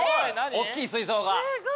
おっきい水槽が。